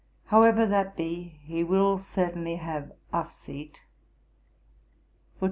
However that be, he will certainly have a seat.